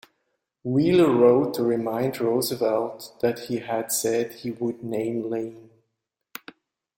Wheeler wrote to remind Roosevelt that he had said he would name Lane.